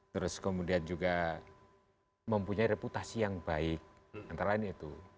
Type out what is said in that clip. terus kemudian juga mempunyai reputasi yang baik antara lain itu